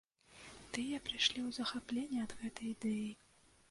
Тыя прыйшлі ў захапленне ад гэтай ідэі.